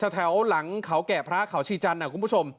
แถวหลังเขาแก่พระเขาชีจันทร์คุณผู้ชม